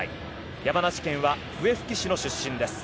山梨県笛吹市の出身です。